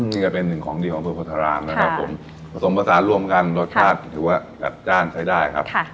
นี่ก็เป็นหนึ่งของดีของอำเภอโพธารามนะครับผมผสมผสานรวมกันรสชาติถือว่าจัดจ้านใช้ได้ครับ